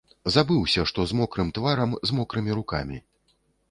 Забыўся, што з мокрым тварам, з мокрымі рукамі.